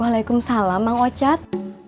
waalaikumsalam mang ocad